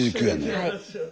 はい。